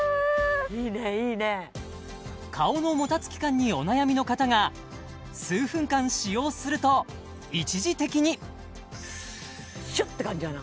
いいねいいね顔のもたつき感にお悩みの方が数分間使用すると一時的にシュッて感じやな